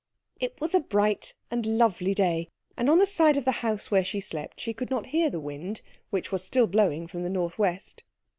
It was a bright and lovely day, and on the side of the house where she slept she could not hear the wind, which was still blowing from the north west.